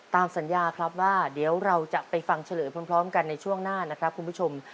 ตามสัญญาครับว่าเดี๋ยวเราจะไปฟังเฉลยพร้อมกันในช่วงหน้านะครับคุณผู้ชม